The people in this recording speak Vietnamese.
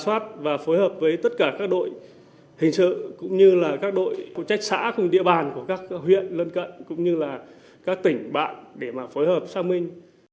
giả soát và phối hợp với tất cả các đội hình sự cũng như là các đội của trách xã cùng địa bàn của các huyện lân cận cũng như là các tỉnh bạn để mà phối hợp sang mình